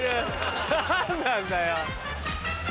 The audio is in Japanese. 何なんだよ。